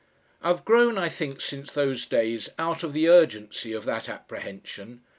I've grown, I think, since those days out of the urgency of that apprehension.